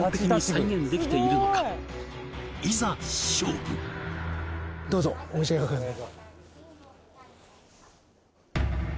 いざ勝負どうぞお召し上がりください